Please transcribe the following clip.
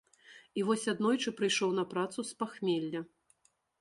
І вось аднойчы прыйшоў на працу з пахмелля.